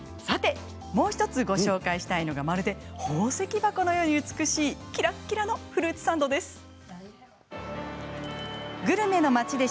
もう１つご紹介したいのがまるで宝石箱のように美しいキラキラのフルーツサンドです。